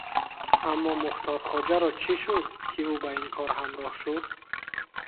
Аммо Мухторхоҷаро чӣ шуд, ки ӯ ба ин кор ҳамроҳ шуд?